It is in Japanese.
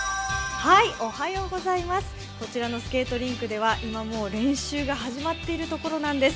こちらのスケートリンクでは練習が始まっているところです。